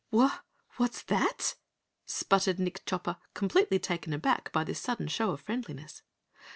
"Wha what's that?" sputtered Nick Chopper completely taken aback by this sudden show of friendliness.